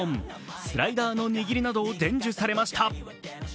スライダーの握りなどを伝授されました。